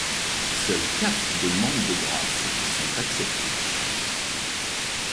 Seules quatre demandes de grâce sont acceptées.